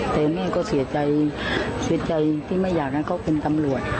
แต่แม่ก็เสียใจที่ไม่อยากนะเขาก็เป็นตำรวจ